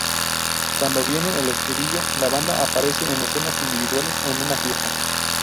Cuando viene el estribillo, la banda aparece en escenas individuales en una fiesta.